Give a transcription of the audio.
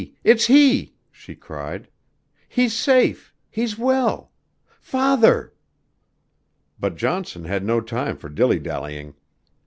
it's he," she cried. "He's safe; he's well. Father!" But Johnson had no time for dilly dallying.